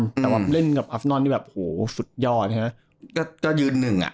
แต่ว่าเล่นกับอัฟนอนนี่แบบโหสุดยอดใช่ไหมก็ยืนหนึ่งอ่ะ